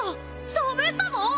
しゃべったぞ！